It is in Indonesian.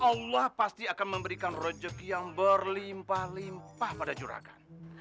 allah pasti akan memberikan rezeki yang berlimpah limpah pada juragan